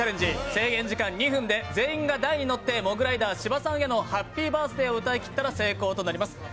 制限時間２分で全員台の上に乗ってモグライダー芝さんへ「ハッピーバースデー」を歌いきったら成功となります。